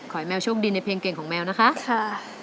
ขอให้แมวโชคดีในเพลงเก่งของแมวนะคะค่ะ